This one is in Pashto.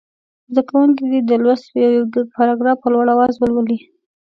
زده کوونکي دې د لوست یو یو پاراګراف په لوړ اواز ولولي.